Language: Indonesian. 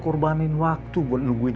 kurbanin waktu buat nungguin